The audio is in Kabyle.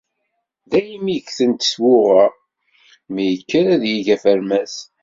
Daymi ggtent twuɣa, wi yekkren ad yeg afermas.